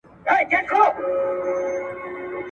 د ادارې سرپرست زما په وړتیا باندې ډېر خوشحاله دی.